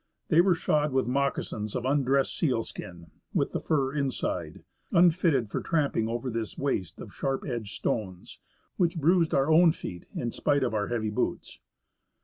They were shod with moccasins of undressed sealskin, with the fur inside, unfitted for tramping over this waste of sharp edged stones, which bruised our own feet in spite of our heavy boots.